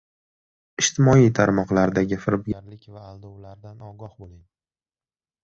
Ijtimoiy tarmoqlardagi firibgarlik va aldovlardan ogoh bo‘ling!